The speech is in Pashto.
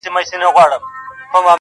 o تر کاچوغي ئې لاستی دروند دئ!